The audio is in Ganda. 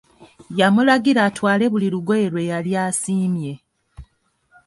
Yamulagira atwale buli lugoye lwe yali asiimye.